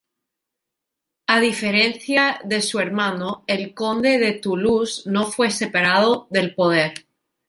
A diferencia de su hermano, el conde de Toulouse no fue separado del poder.